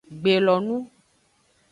Gbelonu.